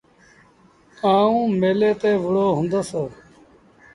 آئوٚݩ ميلي تي وُهڙو هُندس۔